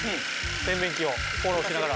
洗面器をフォローしながら。